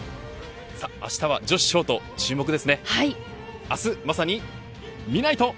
あしたは女子ショート注目ですね。